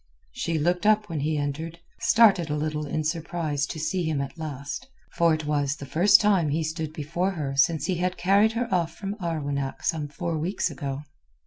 She looked up when he entered, started a little in surprise to see him at last, for it was the first time he stood before her since he had carried her off from Arwenack some four weeks ago.